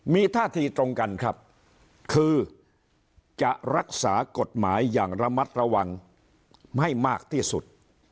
มีท่าทีตรงกันครับคือจะรักษากฎหมายอย่างระมัดระวังให้มากที่สุด